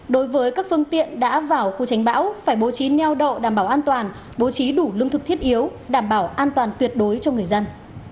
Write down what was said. đối với các phương tiện đã vào khu tránh bão phải bố trí neo đậu đảm bảo an toàn bố trí đủ lương thực thiết yếu đảm bảo an toàn tuyệt đối cho người dân